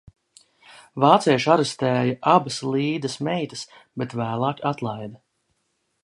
Vācieši arestēja abas Līdas meitas, bet vēlāk atlaida.